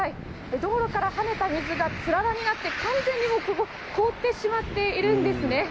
道路から跳ねた水がつららになって完全に凍ってしまってるんですね。